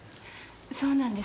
そうなんですか？